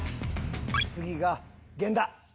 次が源田。